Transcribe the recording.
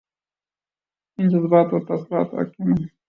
اب جذبات اور تاثرات حاکم ہیں۔